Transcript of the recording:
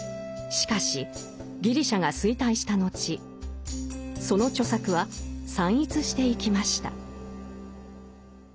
しかしギリシャが衰退した後その著作は散逸していきました。